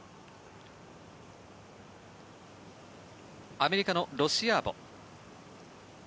アメリカのロシアーボ。